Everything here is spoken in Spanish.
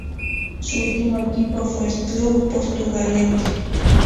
Su último equipo fue el Club Portugalete.